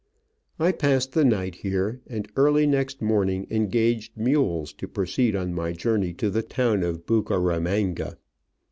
I passed the night here, and early next morning engaged mules to proceed on my journey to the town of Bucaramanga.